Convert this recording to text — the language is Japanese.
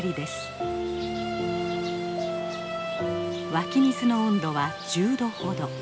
湧き水の温度は１０℃ほど。